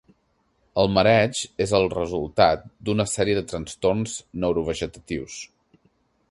El mareig és el resultat d'una sèrie de trastorns neurovegetatius.